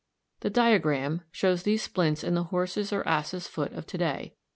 The diagram (Fig 76) shows these splints in the horse's or ass's foot of to day.